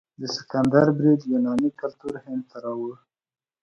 د سکندر برید یوناني کلتور هند ته راوړ.